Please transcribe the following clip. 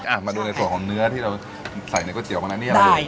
อ่ะมาดูในส่วนของเนื้อที่เราใส่ในก๋วยเตี๋ยวมานะนี่อะไรได้